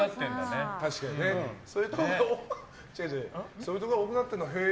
そういうところ多くなってるのへえ！